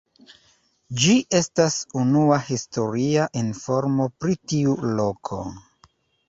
Ĝi estas unua historia informo pri tiu loko.